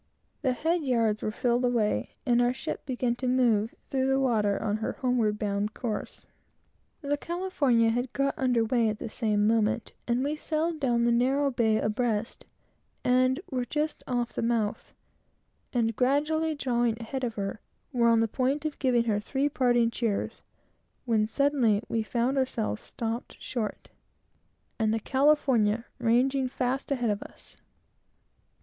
The head yards were filled away, and our ship began to move through the water on her homeward bound course. The California had got under weigh at the same moment; and we sailed down the narrow bay abreast and were just off the mouth, and finding ourselves gradually shooting ahead of her, were on the point of giving her three parting cheers, when, suddenly, we found ourselves stopped short, and the California ranging fast ahead of us.